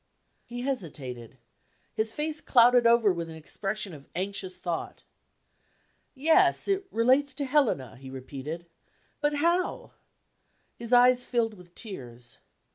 He hesitated; his face clouded over with an expression of anxious thought. "Yes; it relates to Helena," he repeated "but how?" His eyes filled with tears.